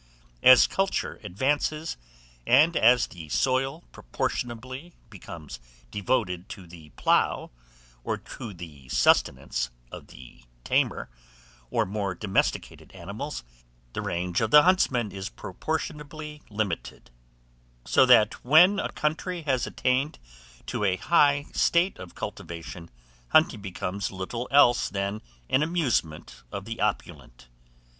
As culture advances, and as the soil proportionably becomes devoted to the plough or to the sustenance of the tamer or more domesticated animals, the range of the huntsman is proportionably limited; so that when a country has attained to a high state of cultivation, hunting becomes little else than an amusement of the opulent.